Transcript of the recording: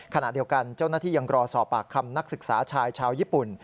ขณะเดียวกันเจ้าหน้าที่ยังรอสอบปากคำนักศึกษาชายชาวญี่ปุ่น